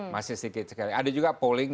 masih sedikit sekali ada juga polling